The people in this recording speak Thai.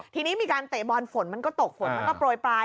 ทีนี้มีการเตะบอลฝนมันก็ตกฝนมันก็โปรยปลาย